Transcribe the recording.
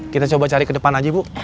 kita coba cari ke depan aja bu